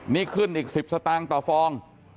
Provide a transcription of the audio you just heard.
นี่ขึ้นอีก๑๐สตางค์ต่อฟอง